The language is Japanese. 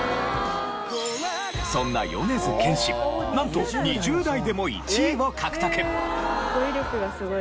そんな米津玄師なんと２０代でも１位を獲得。